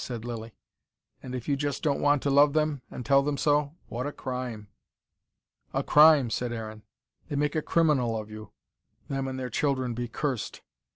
said Lilly. "And if you just don't want to love them and tell them so what a crime." "A crime!" said Aaron. "They make a criminal of you. Them and their children be cursed.